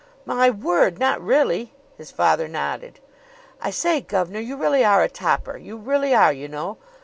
"My word! Not really?" His father nodded. "I say, gov'nor, you really are a topper! You really are, you know!